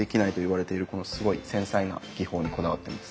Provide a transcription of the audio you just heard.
このすごい繊細な技法にこだわってます。